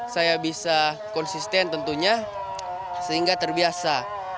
saya bisa konsisten tentunya sehingga terbiasa